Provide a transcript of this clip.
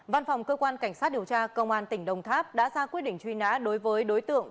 văn phòng cơ quan cảnh sát điều tra công an tỉnh đồng tháp đã ra quyết định truy nã đối với đối tượng